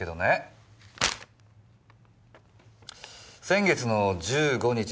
先月の１５日